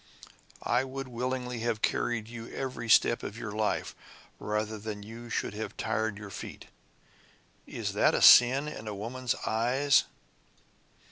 I would willingly have carried you every step of your life, rather than you should have tired your feet. Is that a sin in a woman's eyes?"